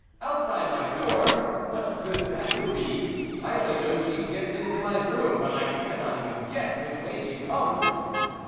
" Outside my door ! Much good that would be ! I only know she gets into my room, but I cannot even guess which way she comes."